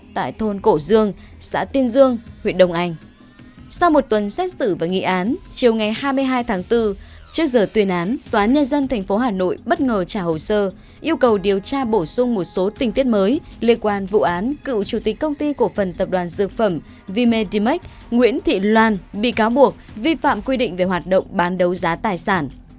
trước một tuần xét xử và nghị án chiều ngày hai mươi hai tháng bốn trước giờ tuyên án tòa án nhà dân tp hà nội bất ngờ trả hồ sơ yêu cầu điều tra bổ sung một số tình tiết mới liên quan vụ án cựu chủ tịch công ty cổ phần tập đoàn dược phẩm vimedimac nguyễn thị loan bị cáo buộc vi phạm quy định về hoạt động bán đấu giá tài sản